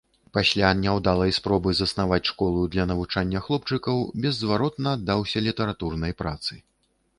Пасля няўдалай спробы заснаваць школу для навучання хлопчыкаў, беззваротна аддаўся літаратурнай працы.